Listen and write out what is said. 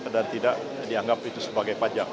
dan tidak dianggap itu sebagai pajak